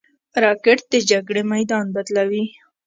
راکټ د جګړې میدان بدلوي